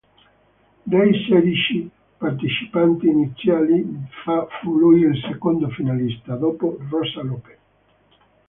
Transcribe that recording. Dei sedici partecipanti iniziali fu lui il secondo finalista, dopo Rosa López.